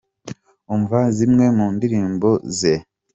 Umva zimwe mu ndirimbo ze :.